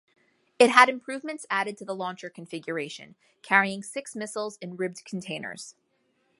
It had improvements added to the launcher configuration, carrying six missiles in ribbed containers.